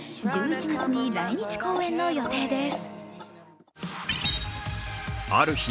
１１月に来日公演の予定です。